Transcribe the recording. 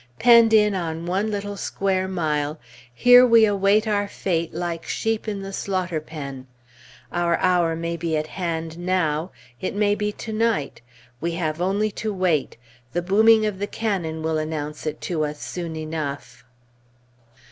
Penned in on one little square mile, here we await our fate like sheep in the slaughter pen. Our hour may be at hand now, it may be to night; we have only to wait; the booming of the cannon will announce it to us soon enough.